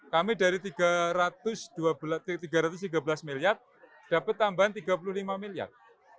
kami dari tiga ratus tiga belas miliar dapat tambahan tiga puluh lima miliar